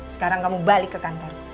sekarang kamu balik ke kantor